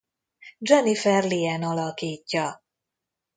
Jennifer Lien alakítja.